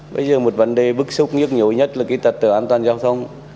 bây giờ một vấn đề bức xúc nhức nhối nhất là cái tật tự an toàn giao thông